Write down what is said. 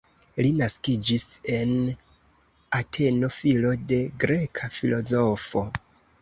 Li naskiĝis en Ateno, filo de greka filozofo.